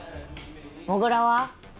もぐらは？